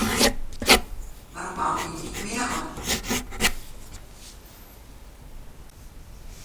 Warum bauen die nicht mehr an?